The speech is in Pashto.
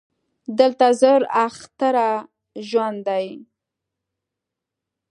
دلته زر اختره ژوند دی